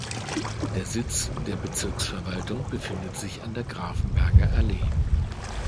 Der Sitz der Bezirksverwaltung befindet sich an der Grafenberger Allee.